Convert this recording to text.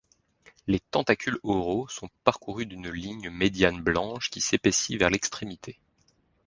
Les tentacules oraux sont parcourus d'une ligne médiane blanche qui s'épaissit vers l'extrémité.